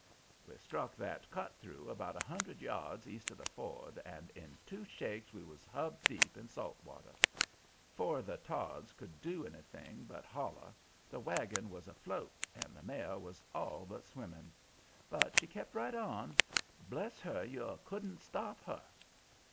We struck that Cut Through about a hundred yards east of the ford, and in two shakes we was hub deep in salt water. 'Fore the Todds could do anything but holler the wagon was afloat and the mare was all but swimming. But she kept right on. Bless her, you COULDN'T stop her!